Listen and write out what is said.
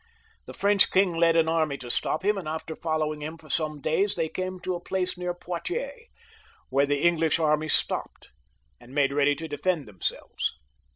The French king led an army to stop him, and after following him for some days, they came to a place near Poitiers, where the English army stopped, and made ready to defend themselves.